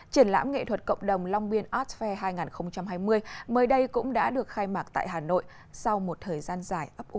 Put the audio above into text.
triển lãm nghệ thuật cộng đồng long biên atfael hai nghìn hai mươi mới đây cũng đã được khai mạc tại hà nội sau một thời gian dài ấp ổ